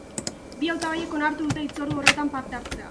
Bi hautagaiek onartu dute hitzordu horretan parte hartzea.